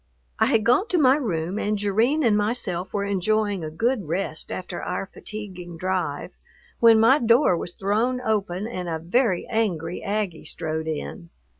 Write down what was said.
I had gone to my room, and Jerrine and myself were enjoying a good rest after our fatiguing drive, when my door was thrown open and a very angry Aggie strode in.